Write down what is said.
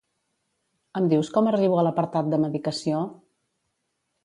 Em dius com arribo a l'apartat de medicació?